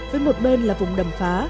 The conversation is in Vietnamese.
với một bên là vùng đầm phá